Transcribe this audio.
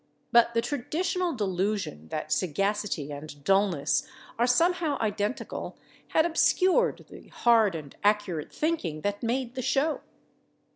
But the traditional delusion that sagacity and dullness are somehow identical had obscured the hard and accurate thinking that made the show.